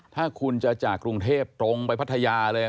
ถ้าคุณจะจากกรุงเทพตรงไปพัทยาเลย